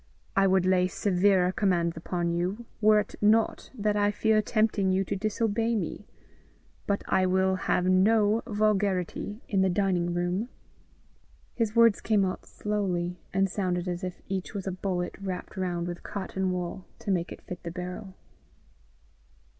"I would lay severer commands upon you, were it not that I fear tempting you to disobey me, but I will have no vulgarity in the dining room." His words came out slowly, and sounded as if each was a bullet wrapped round with cotton wool to make it fit the barrel.